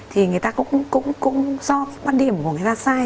thì người ta cũng do quan điểm của người ta sai